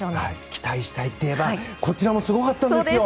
期待したいといえばこちらもすごかったんですよ！